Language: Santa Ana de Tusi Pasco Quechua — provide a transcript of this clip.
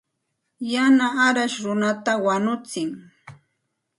Yana arash runata wañutsin.